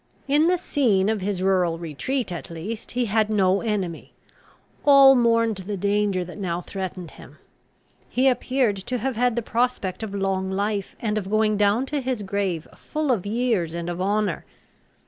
In the scene of his rural retreat, at least, he had no enemy. All mourned the danger that now threatened him. He appeared to have had the prospect of long life, and of going down to his grave full of years and of honour.